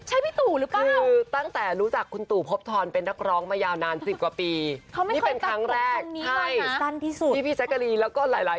ใช่พี่ตูหรือเปล่า